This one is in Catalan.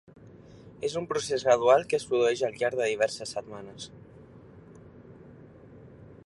És un procés gradual que es produeix al llarg de diverses setmanes.